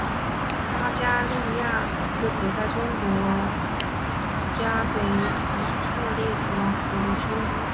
撒迦利雅是古代中东国家北以色列王国的君主。